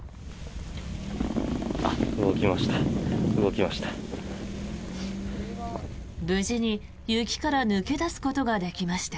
動きました。